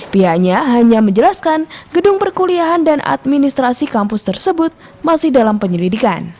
pihaknya hanya menjelaskan gedung perkuliahan dan administrasi kampus tersebut masih dalam penyelidikan